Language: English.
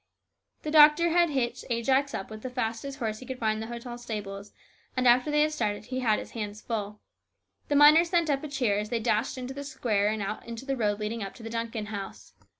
The doctor had hitched Ajax up with the fastest AN ORATOR. 285 horse he could find in the hotel stables, and after they had started he had his hands full. The miners sent up a cheer as they dashed into the square and out into the road leading up to the Duncan house.